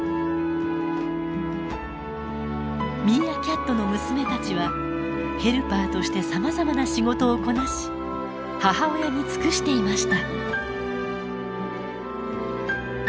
ミーアキャットの娘たちはヘルパーとしてさまざまな仕事をこなし母親に尽くしていました。